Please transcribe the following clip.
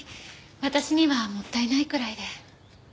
私にはもったいないくらいで。